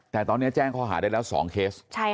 แต่ตอนนี้แจ้งคอหาได้แล้ว๒เคสใช่ค่ะ